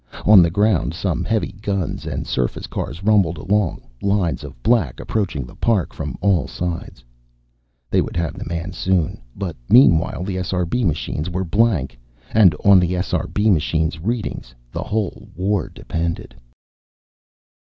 On the ground some heavy guns and surface cars rumbled along, lines of black approaching the park from all sides. They would have the man soon. But meanwhile, the SRB machines were blank. And on the SRB machines' readings the whole war depended.